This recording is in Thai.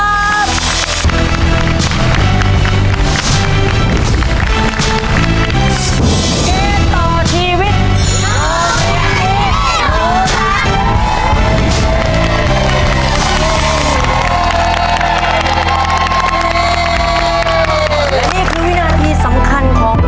และนี่คือวินาทีสำคัญของ